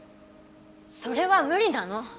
それは無理なの。